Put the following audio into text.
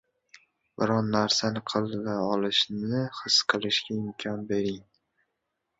biron narsani qila olishini his qilishga imkon bering.